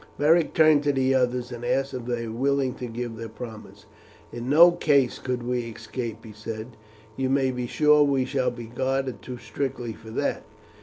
Beric turned to the others and asked if they were willing to give the promise. "In no case could we escape," he said, "you may be sure we shall be guarded too strictly for that.